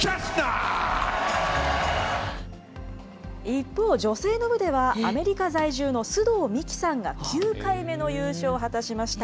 一方、女性の部では、アメリカ在住の須藤美貴さんが９回目の優勝を果たしました。